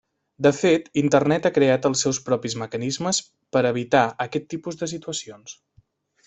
De fet Internet ha creat els seus propis mecanismes per evitar aquest tipus de situacions.